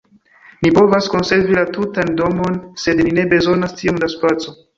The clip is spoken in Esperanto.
Ni povas konservi la tutan domon, sed ni ne bezonas tiom da spaco.